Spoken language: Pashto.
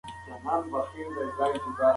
زما ملګری په خپل موبایل کې نوي کوډونه لیکي.